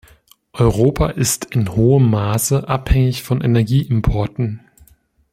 Europa ist in hohem Maße abhängig von Energieimporten.